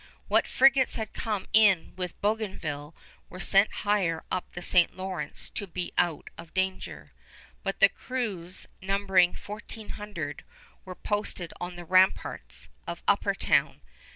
What frigates had come in with Bougainville were sent higher up the St. Lawrence to be out of danger; but the crews, numbering 1400, were posted on the ramparts of Upper Town.